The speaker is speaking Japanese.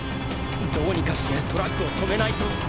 どうにかしてトラックを止めないと。